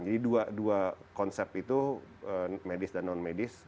jadi dua konsep itu medis dan non medis